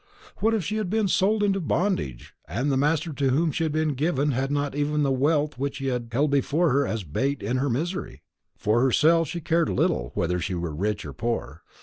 what if she had been sold into bondage, and the master to whom she had been given had not even the wealth which had been held before her as a bait in her misery! For herself she cared little whether she were rich or poor.